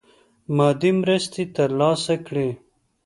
مادي مرستي تر لاسه کړي.